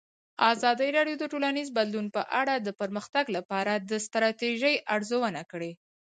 ازادي راډیو د ټولنیز بدلون په اړه د پرمختګ لپاره د ستراتیژۍ ارزونه کړې.